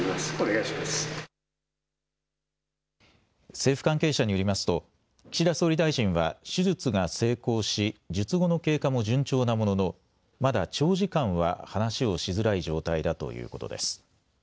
政府関係者によりますと岸田総理大臣は手術が成功し術後の経過も順調なもののまだ長時間は話をしづらい状態だということです。